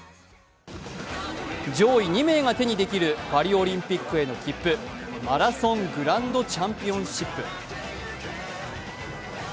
上位２名が手にできるパリオリンピックへの切符、マラソングランドチャンピオンシップ。